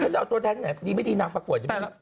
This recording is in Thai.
ถ้าจะเอาตัวแท้ที่ไหนมีวิธีนำปรากวดจะมี